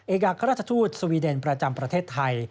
เอกอัครราชทูตสวีเดนประจำประเทศไทย